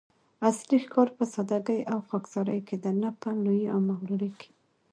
اصلي ښکلا په سادګي او خاکساري کی ده؛ نه په لويي او مغروري کي